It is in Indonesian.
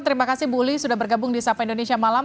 terima kasih bu lili sudah bergabung di sapa indonesia malam